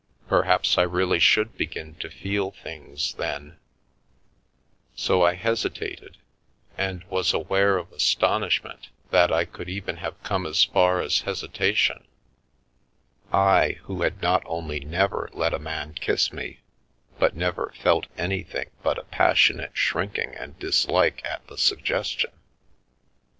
Perhaps I really should begin to feel things then " So I hesitated, and was aware of astonishment that I could even have come as far as hesitation — I, who had not only never let a man kiss me, but never felt anything but a passionate shrinking and dislike at the suggestion